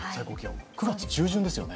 ９月中旬ですよね。